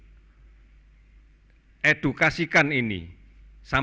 bentuk kesehatan mereka